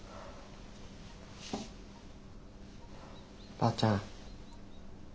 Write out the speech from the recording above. ばあちゃん。